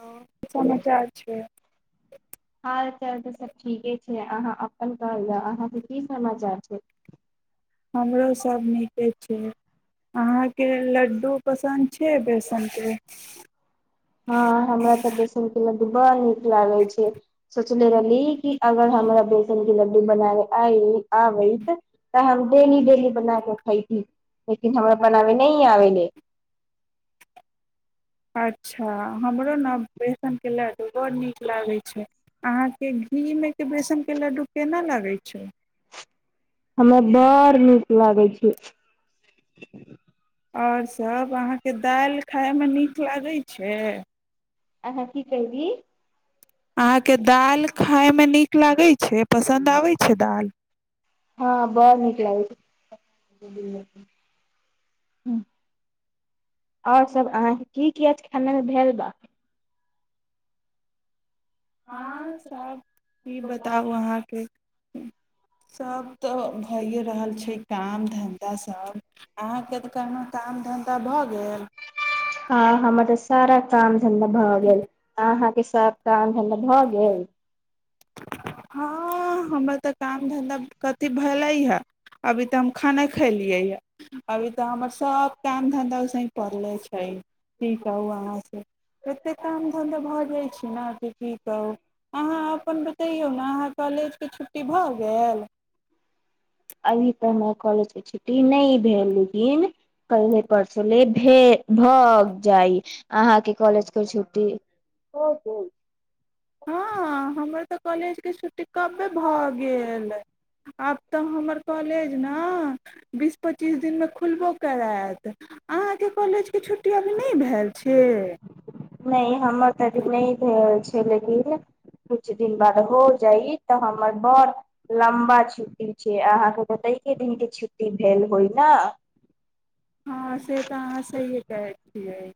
हँ की समाचार छै हाल चाल तऽ सब ठीके छै अहाँ अपन कहल जाउ अहाँके की समाचार छै हमरो सभ नीके छै अहाँके लड्डू पसन्द छै बेसनके हँ हमरा तऽ बेसन के लड्डू बड़ नीक लागे छै सोचले रहली कि अगर हमरा बेसन के लड्डू बनाबे आ आबैत तऽ हम डेली डेली बना क खेती लेकिन हमरा बनाबे नहि आबेले अच्छा हमरो ने बेसनके लड्डू बड्ड नीक लागै छै अहाँके घीमे बेसनके लड्डू केना लगै छै हमे बड़ नीक लागै छ आओर सभ अहाँके दालि खायमे नीक लागैत छै आहँ की कह दी अहाँके दालि खायमे नीक लागै छै पसन्द आबै छै दालि हँ बड़ नीक लागैत छै आओर सब अहके की क खानमे भेल बा हँ सबब ईी बताउ अहाँके सब तऽ भइए रहल छै काम धन्धा सब अहाँके तऽ कहलहु काम धन्धा भऽ गेल हँ हम तऽ सारा काम भ गेल अहाँके सान भ गेल हँ हमर तऽ काम धन्धा कथी भेलै हे अभी तऽ हम खाना खेलियै हए अभी तऽ हमर सब काम धधा स पड़ले छै की कहू अहाँ से एतेक काम धन्धा भऽ जाइ छै ने अथी ठीक है अहाँ अपन बतैयौ मह कलेज के छुट्टी भऽ गेल त हमरा कॉलेज के छुट्टी नहि भेल लेकिन कले परसोले भेल भग जाइ अहाँके कॉलेज को छुट्टी हँ हमर तऽ कॉलेजके छुट्टी कमे भऽ गेल आब तऽ हमर कॉलेज ने बीस पच्चीस दिनमे खुलबो करत अहाँके कॉलेजके छुट्टी अभी नहि भेल छै नहि हमर तऽ अ नहि भेल छै लेकिन किछु दिन बाद हो जाइ तऽ हमर बड़ लम्बा छुट्टी छै अहाँके कत एकके दिनके छुट्टी भेल होइ ने हँ से तऽ अहाँ सहिए कहैत छियै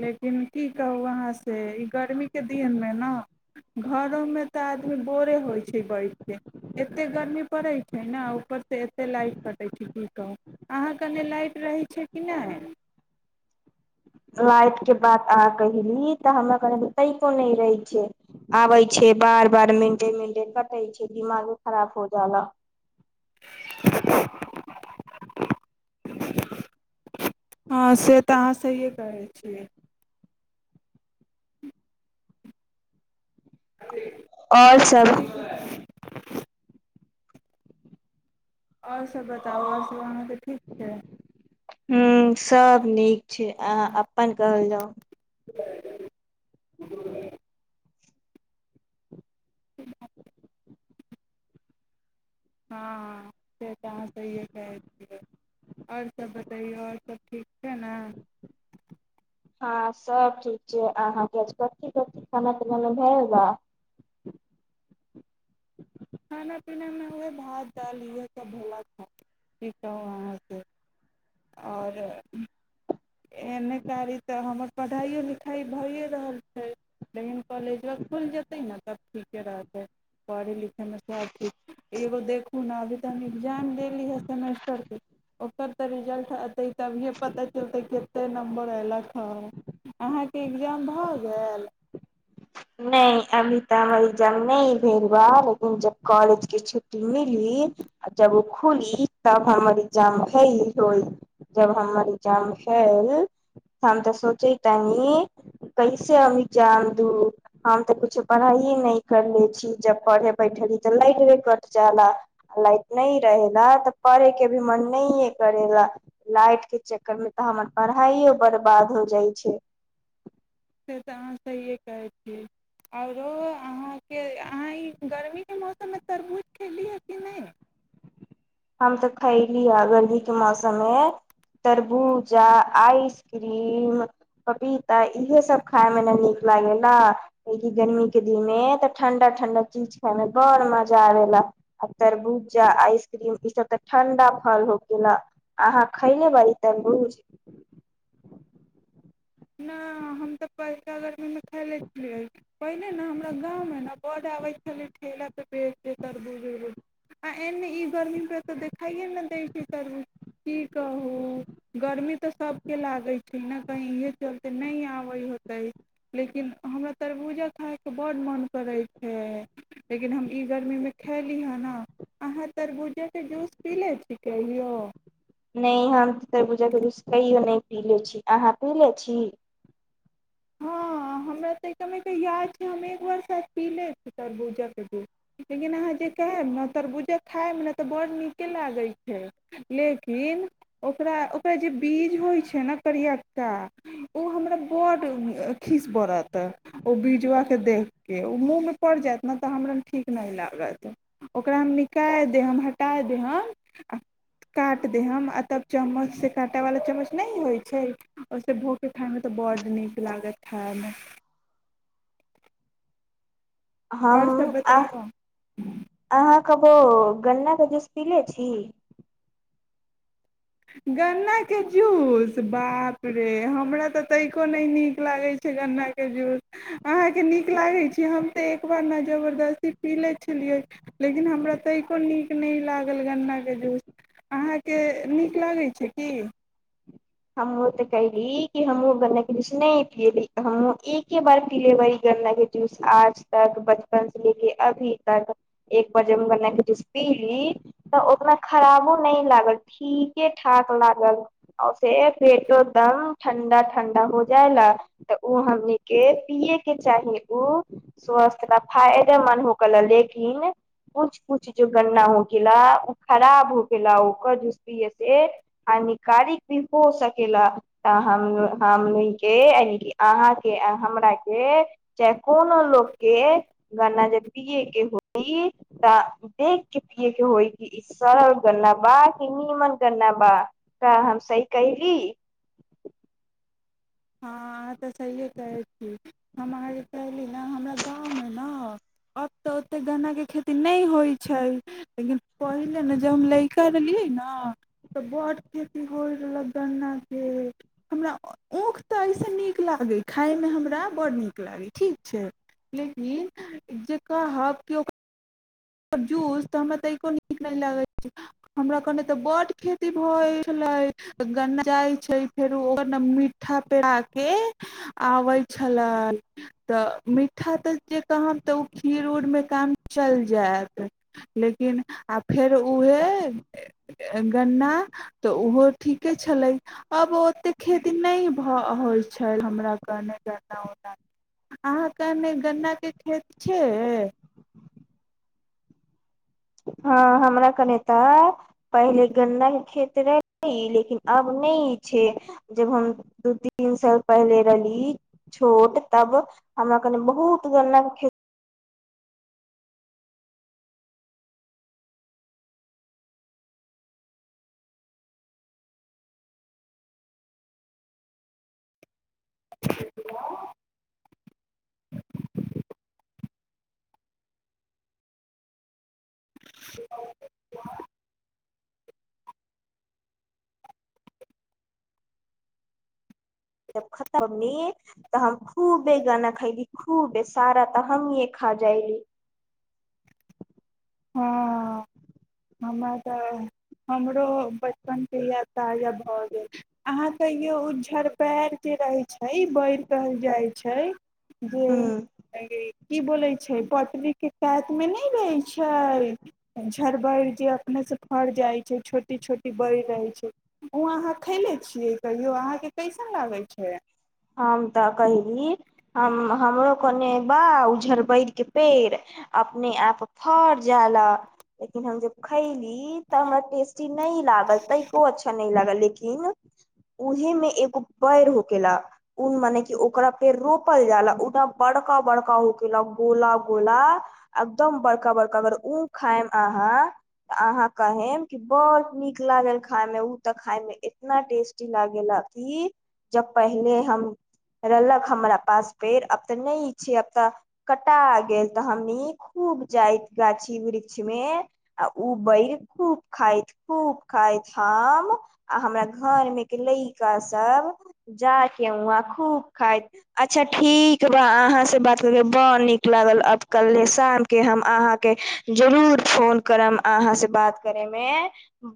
लेकिन की कहू अहाँसँ ई गर्मीके दिनमे ने घरोमे त आदमी बोरे होइ छै बैठ के एते गर्मी पड़े छै छै ने ऊपर से एते लाइट कटे छै की कहू अहाँ कने लाइट रहै छै कि नहि लाइट के बात अह कहली तऽ हमरा क तैो नहि रहे छै आबे छै बार बार मेंटे मेंटे कटे छै दिमागो खराब हो जाला हँ से तऽ अहाँ सहिए कहै छियै और सब [inaudible] आओर सब बताउ आओर सब अहाँके ठीक छै ह सब नीक छै अ अपन कहल जाउ त हँ से तऽ अहाँ सहिए कहै छियै आओर सब बतैयौ आओर सभ ठीक छै ने हँ सब ठीक छै अहाँके कथी कथी खाना पीनामे भएगा पिनेमे हुए भात दालि इएह सब भला खा पी कहु अहाँ से आओर एने कारी तऽ हमर पढ़ाइओ लिखाइ भइए रहल छै लेकिन कॉलेज व खुलि जेतै ने तब ठीके रहतै पढ़य लिखयमे सभचीज एगो देखू ने अभी तऽ हम एकग्जाम देली हे सेमेस्टरके ओकर तऽ रिजल्ट अतै तभिए पता चलतै कतेक नम्बर अयलक हँ अहाँके एग्जाम भऽ गेल नहि अभी तऽ हमर एग्जाम नहि भेल बा लेकिन जब कॉलेज के छुट्टी मिली आ जब ओ खुली तब हमर एग्जाम भेल होई जब हमर एग्जाम भेल हम तऽ सोचे तनि कैसे हम एग्जाम दू हम तऽ कछो पढ़ाइए नहि करले छी जब पढ़े बैठली तऽ लाइट भे कट जयाला आ लाइट नहि रहेला तऽ पढ़े के भी मन नहिए करेला लाइट के चक्करमे तऽ हमर पढ़ाइयो बर्बाद हो जाइ छै से तऽ अहाँ सहिए कहै छियै आओरो अहाँके अहाँ ई गर्मीके मौसममे तरबूज खेलियए कि नहि हम तऽ खैली ह गर्मी के मौसम मे तरबूजा आइसक्रीम पपीता इहे सब खाय मे ने नीक लागेला क कि गर्मी के दिन मे तऽ ठंडा ठंडा चीज खाय मे बड़ मजा आबेला आ तरबूजा आइस ्रम ई सब तऽ ठण्डा फल हो गेला अहाँ खैनेेब ते बूज नहि हम तऽ पैसा गर्मीमे तले छ पहिनेे ने हमरा गाँवमे ने बड आबैत छलै ठेला त बेतर बुज एन ई गर्मी पे त देख खाइए नहि दै छै तरूज की कहू गर्मी तऽ सभके लागै छै ने कहीे चलते नहि आबै होतै लेकिन हमरा तरबूजा खायके बडड़ड मन करै छै लेकिन हम ई गर्मीमे खली ह ने अहाँ तरबूजाक के जूस पी ले छी नहि हम तऽ तर पूजा करू कैयो नहि पी ले छी अहाँ पी ले छी हँ हमरा तऽ समके याद छै हम एकबारसँ पी लै छी तरबूजकके दूध लेकिन अहाँ जे कहेब ने तरबूजा खायब ने तऽ बड़ नीके लागैत छै लेकिन ओकरा ओकरा जे बीज होइत छै ने करियक्का ओ हमरा बड़ खीस पड़त ओ बजबके देखके ओ मुँहमे पड़ि जायत ने तऽ हमरा ठीक नहि लागत ओकरा हम निकालि देब हटा देब आ काटि देब आ तब चम्मच से काँटा वालला चम्मच न होइ छै छै स भोगे खााय में तऽ बड्ड नीक क लागत हमे हम अ बतैयौ अहाँ कहबौ गन्न जुस पीले छी गन्नाके जूस बाप रे हमरा तऽ तइिको नहि नीक लागैत छै गन्नाके जूस अहाँके नीक लागैत छै हम तऽ एकबार ने जबरदस्ती पी लैत छलियै लेकिन हमरा तैको नीक नहि लागल गन्नाके जूस अहाँके नीक नठीक लागै छै की हमहुँ तऽ कहैली कि हमहुँ गन्ना के जूस नहि पियली हमँ एके बार पी लेब गन्ना के जूस आज तक बचपन से लेके अभी तक एक बार जब गन्ना के जूस पीली तऽ ओतना खराबो नहि लागल ठीके ठाक लागल आ से पेटो एकदम ठंडा ठंडा हो जाय ला तऽ उ हमन के पिये के चाही उ स्वस्थ ला फायदेमन्द हो गेला लेकिन कुछ कुछ जो गन्ना हो गेला उ खराब हो गेला ओकर जस पिये से हानिकारक हो सकेला तऽ हम हमन के यान अहा के हमरा के चाहे कोनो लग के गन्ना जे पियए के होई तऽ देख के पिये के होई कि ई सरल गन्ना बा कि नीमन गन्ना बा क रोसी कहहिली हँ अहाँ तऽ सहिए कहै छी हम अहाँ जे कहली ने हमरा गाँवमे ने आब तऽ ओतेक गन्नाके खेती नहि होइत छै लेकिन पहिले ने जब हम लड़का रहलियै ने तऽ बड खेती होय रहलै गन्नाके हमरा ऊख तऽ एहिसँ नीक लागै खायमे हमरा बडड़ नीक लागै ठीक छै लेकिन जे कहब केओ जूस तऽ हमरा त एको नीक नहि लगैत छै हमरा कने तऽ बड खेती भऽइत छलै गन्ना जाइ छै फेरो ओ ने मिीठ्ठा पेरा के आबैत छले तऽ मिी्ठा तऽ जे कहम तऽ ओ खीर उर मे काम चल जायत लेकिन आ फेर उहे गन्ना तऽ ओहो ठीके छलै अब ओतेक खेती नहि भऽ होइ छल हमरा कहने गन्ना ओन्ना अहाँकेने गन्नाके खेत छै हँ हमरा कने तऽ पहिले गन्ने खेत रहलै लेकिन आब नहि छै जब हम दू तीन साल पहिले रहली छोट तब हमरा कने बहुत गन्नाके खेत [inaudible] जब खतम न तऽ हम खूबे गाना खइली खूबे सारा तऽ हम य खा जाइली हँ हमरा तऽ हमरो बचपनके यएाद ताजा भऽ गेल अहाँ कहियो उ झड़ पैर जे रहैत छै बढ़ि कहल जाइत छै गो अ की बोलैत छै पटरीके कातमे नहि रहैत छै झर बैड़ जे अपने से फड़ जाइ छै छोटी छोटी बड़ रहे छै उ अहाँ खैले छियै कहियो अहाँ के कैसन लागत अच्छा हम तऽ कहली हम हमरो कोने बा उझड़बर के पेड़ अपने आप फर जााला लेकिन हम जब खैली ई तऽ हमरा टेस्टी न लागल तको अच्छा न लागल लेकिन लिन उहे मे एगो पैर हो गेलेला ऊन मने क ओकरा पेड़ रोपल जाल ठ बड़का बड़का उ केलक गोला गोला एकदम बड़का बड़का अगर ऊ खायम अहाँ त अहा कहेम क बड़ नीक लागल खाय में ऊ तऽ खाय में एतना टेस्टी लागेला कि जब पहले रहलक हमरा पास पेड़ अब ते न छै आब तऽ कटा गेल तऽ हमनी खूब जाइत गाछी वृक्ष मे आ उ बैर खूब खाइत खूब खाइत हम आ हमरा घर मे के लैड़का सब जा केहुआ खूब खाइत अच्छा ठीक बा अहाँ से बात करके बड़ नीक लागल अब कल्हे शाम के हम अहाँके जरूर फोन करब अहाँ से बात करे मे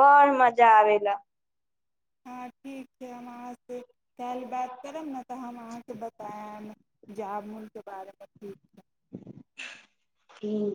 बड़ मजा आब ला हँ ठीक छै हम अहाँसँ काल्हि बात करब ने तऽ हम अहाँकेँ बतायब जामनके बारेमे ठीक छै ठीक